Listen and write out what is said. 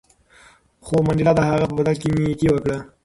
خو منډېلا د هغه په بدل کې نېکي وکړه.